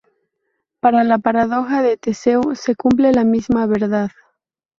Para la paradoja de Teseo se cumple la misma verdad.